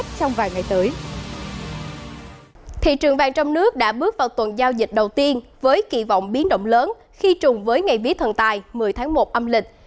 thị trường vàng trong nước đã bước vào tuần giao dịch đầu tiên với kỳ vọng biến động lớn khi trùng với ngày vía thần tài một mươi tháng một âm lịch